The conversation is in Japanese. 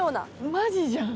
マジじゃん。